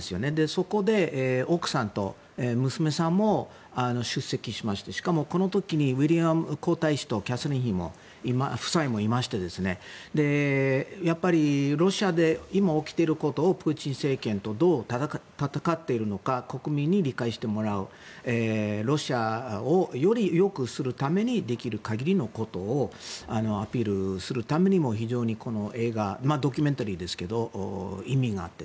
そこで奥さんと娘さんも出席しまして、しかもこの時にウィリアム皇太子夫妻もいましてロシアで今起きていることをプーチン政権とどう戦っているのか国民に理解してもらうロシアをよりよくするためにできる限りのことをアピールするためにも非常にこの映画ドキュメンタリーですが意味があって。